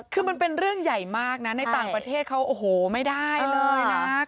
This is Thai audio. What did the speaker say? คือมันเป็นเรื่องใหญ่มากนะในต่างประเทศเขาโอ้โหไม่ได้เลยนะ